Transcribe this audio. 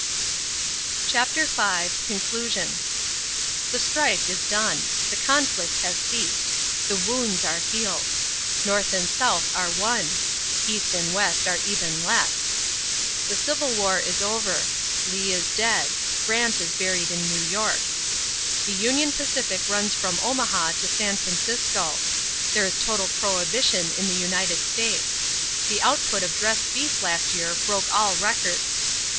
CHAPTER V CONCLUSION The strife is done. The conflict has ceased. The wounds are healed. North and South are one. East and West are even less. The Civil War is over. Lee is dead. Grant is buried in New York. The Union Pacific runs from Omaha to San Francisco. There is total prohibition in the United States. The output of dressed beef last year broke all records.